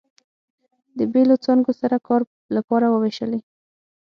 د بېلو څانګو سره کار لپاره ووېشلې.